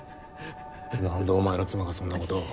なんでお前の妻がそんなことを。